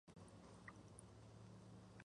Piezas de fantasía, Op.